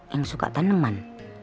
yang suka taneman